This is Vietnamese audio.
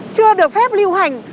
chưa được phép lưu hành